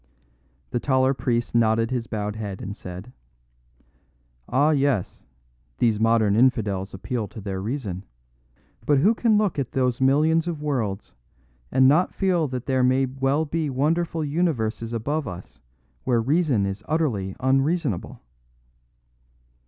The taller priest nodded his bowed head and said: "Ah, yes, these modern infidels appeal to their reason; but who can look at those millions of worlds and not feel that there may well be wonderful universes above us where reason is utterly unreasonable?"